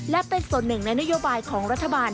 และเป็นส่วนหนึ่งในนโยบายของรัฐบาล